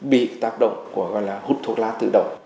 bị tác động của gọi là hút thuốc lá tự động